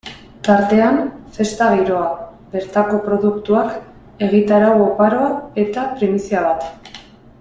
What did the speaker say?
Tartean, festa giroa, bertako produktuak, egitarau oparoa eta primizia bat.